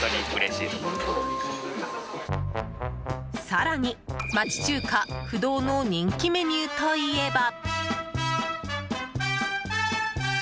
更に、町中華不動の人気メニューといえば。